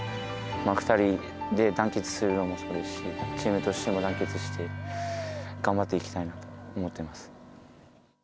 ２人で団結するのもそうだし、チームとしても団結して、頑張っていきたいなと思ってます。